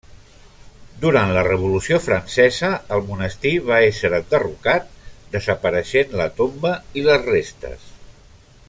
Durant la Revolució francesa el monestir va ésser enderrocat, desapareixent la tomba i les restes.